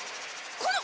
この！